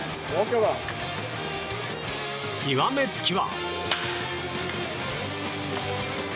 極めつきは。